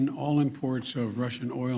kami menolak semua imporan